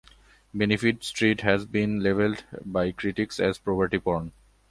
Benefits Street has been labelled by critics as "Poverty Porn".